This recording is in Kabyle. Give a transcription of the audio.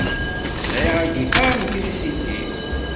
Sεiɣ agiṭar n trisiti.